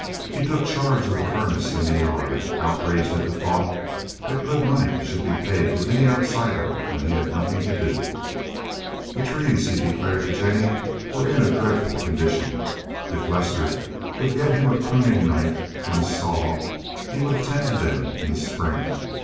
He took charge of the furnace and the yard, outraged at the thought that good money should be paid to any outsider when he had nothing to do. The trees, he declared to Jennie, were in a dreadful condition. If Lester would get him a pruning knife and a saw he would attend to them in the spring.